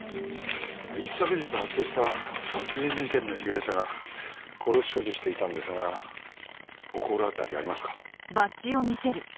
一昨日発生した殺人事件の被害者がこれを所持していたんですがお心当たりありますか？